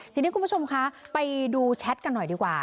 ทีนี้คุณผู้ชมคะไปดูแชทกันหน่อยดีกว่า